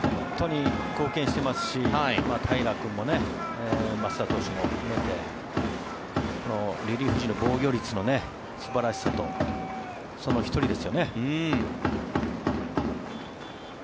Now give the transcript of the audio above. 貢献していますし平良君も増田投手も含めてリリーフ陣の防御率の素晴らしさとその１人ですよね。